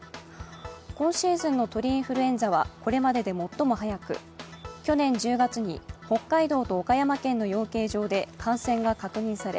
今シーズンの鳥インフルエンザはこれまでで最も早く去年１０月に北海道と岡山県の養鶏場で感染が確認され